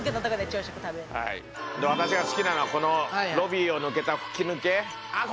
朝食食べんの私が好きなのはこのロビーを抜けた吹き抜けあっ